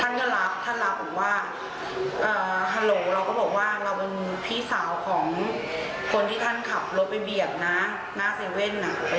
ท่านก็รักท่านรักผมว่าฮัลโหลเราก็บอกว่าเราเป็นพี่สาวของคนที่ท่านขับรถไปเบียดนะหน้าเว่น